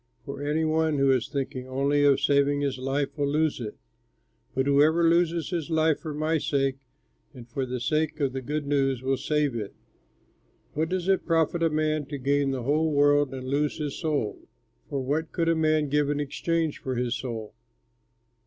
For any one who is thinking only of saving his life, will lose it; but whoever loses his life for my sake and for the sake of the good news, will save it. What does it profit a man to gain the whole world and lose his soul? For what could a man give in exchange for his soul?